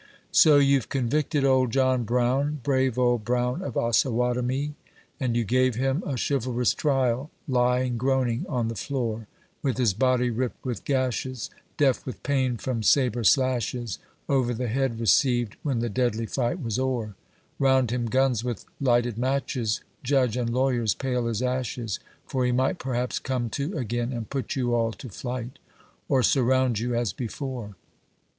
So you 've convicted old John Brown ! brave old Brown of Osawatomie ! And you gave him a chivalrous trial, lying groaning on the floor, With his body ripped with gashes, deaf with pain from sabre slashes, c Over the head received, when the deadly fight was o'er ; Round him guns with lighted matches, judge and lawyers pale as ashes — For he might, perhaps, come to again, and put you all to flight, Or surround you, as before ! JOIIN BROWN OF OSAWATOMIE.